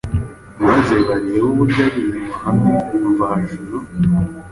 maze barebe uburyo ariya mahame mvajuru,